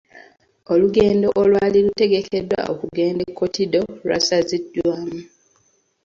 Olugendo olwali lutegekeddwa okugenda e Kotido lwasaziddwamu.